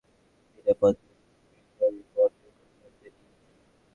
দিনের পর দিন ট্রেজারি বন্ডের কোনো লেনদেনেই হচ্ছে না।